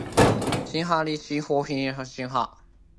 男單四強止步